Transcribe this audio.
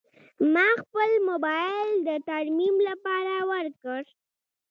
ما خپل موبایل د ترمیم لپاره ورکړ.